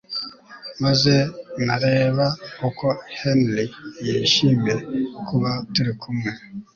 maze nareba uko Henry yashimiye kuba turi kumwe